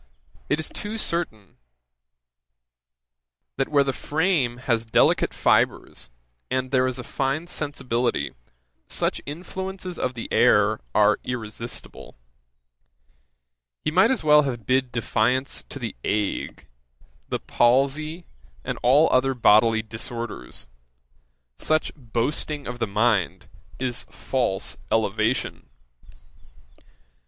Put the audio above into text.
it is too certain, that where the frame has delicate fibres, and there is a fine sensibility, such influences of the air are irresistible. He might as well have bid defiance to the ague, the palsy, and all other bodily disorders, Such boasting of the mind is false elevation.